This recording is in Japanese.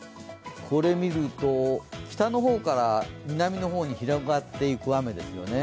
これ見ると北の方から南の方に広がっていく雨ですよね。